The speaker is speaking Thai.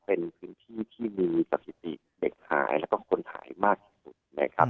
เป็นพื้นที่ที่มีสถิติเด็กหายแล้วก็คนหายมากที่สุดนะครับ